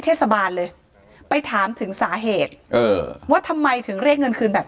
เทศบาลเลยไปถามถึงสาเหตุเออว่าทำไมถึงเรียกเงินคืนแบบ